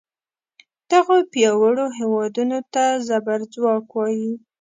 دغو پیاوړو هیوادونو ته زبر ځواک وایي.